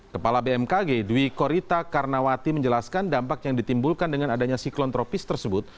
kepala bmkg dwi korita karnawati menjelaskan dampak yang ditimbulkan dengan adanya siklon tropis tersebut